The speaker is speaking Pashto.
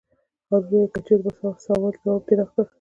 هارون وویل: که چېرې زما د سوال ځواب دې راکړ.